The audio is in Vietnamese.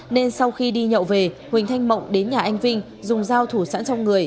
nên sau khi đi nhậu về huỳnh thanh mộng đến nhà anh vinh dùng dao thủ sẵn trong người